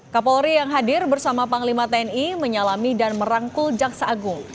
kapolri yang hadir bersama panglima tni menyalami dan merangkul jaksa agung